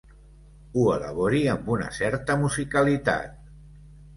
Ho elabori amb una certa musicalitat.